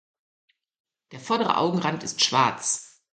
Der vordere Augenrand ist schwarz.